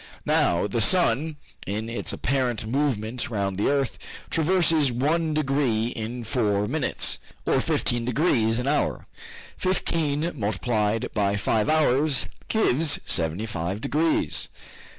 Now the sun, in its apparent movement round the earth, traverses one degree in four minutes, or fifteen degrees an hour. Fifteen degrees multiplied by five hours give seventy five degrees.